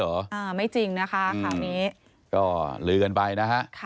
อ่าไม่จริงนะคะข่าวนี้ก็ลือกันไปนะฮะ